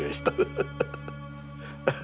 ハハハハ。